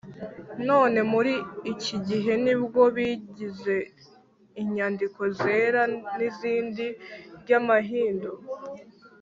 none muri iki gihe ni byo bigize inyandiko zera z’idini ry’abahindu.